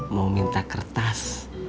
mau minta kertas